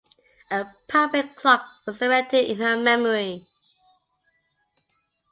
A public clock was erected in her memory.